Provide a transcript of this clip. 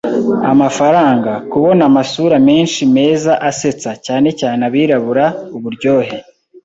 amafaranga. Kubona amasura menshi meza-asetsa (cyane cyane abirabura), uburyohe